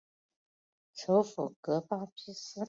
首府戈巴比斯。